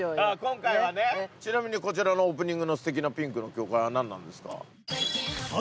それはちなみにこちらのオープニングのすてきなピンクの教会は何なんですか？